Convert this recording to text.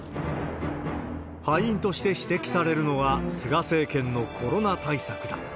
敗因として指摘されるのは、菅政権のコロナ対策だ。